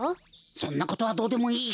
そんなことはどうでもいい！